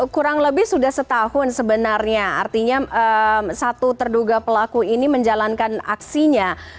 kurang lebih sudah setahun sebenarnya artinya satu terduga pelaku ini menjalankan aksinya